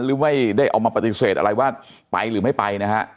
หรือไม่ได้เอามาปฏิเสธอะไรว่าไปหรือไม่ไปนะฮะ